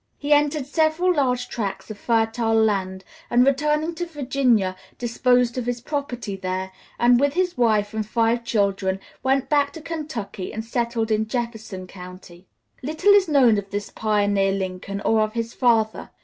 He entered several large tracts of fertile land, and returning to Virginia disposed of his property there, and with his wife and five children went back to Kentucky and settled in Jefferson County. Little is known of this pioneer Lincoln or of his father.